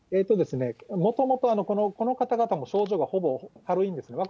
もともとこの方々も症状はほぼ、軽いんです。